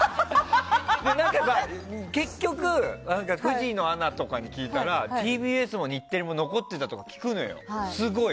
結局、フジのアナとかに聞いたらＴＢＳも日テレも残ってたとか聞くのよ、すごい。